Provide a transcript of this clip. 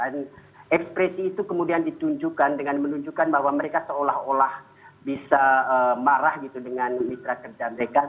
dan ekspresi itu kemudian ditunjukkan dengan menunjukkan bahwa mereka seolah olah bisa marah gitu dengan mitra kerja mereka